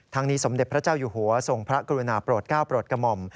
นี้สมเด็จพระเจ้าอยู่หัวทรงพระกรุณาโปรดก้าวโปรดกระหม่อม